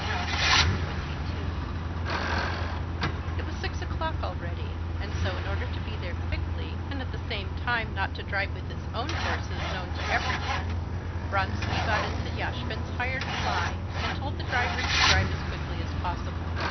Chapter 22 It was six o'clock already, and so, in order to be there quickly, and at the same time not to drive with his own horses, known to everyone, Vronsky got into Yashvin's hired fly, and told the driver to drive as quickly as possible.